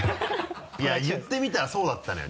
いや言ってみたらそうだったのよ。